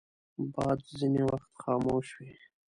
باد ځینې وخت خاموش وي